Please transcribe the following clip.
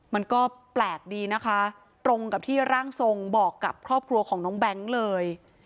มันก็แปลกดีนะคะตรงกับที่ร่างทรงบอกกับครอบครัวของน้องแบงค์เลย